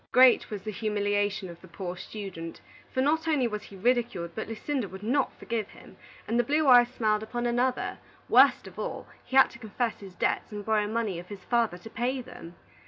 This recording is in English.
Great was the humiliation of the poor student; for not only was he ridiculed, but Lucinda would not forgive him, and the blue eyes smiled upon another; worst of all, he had to confess his debts and borrow money of his father to pay them.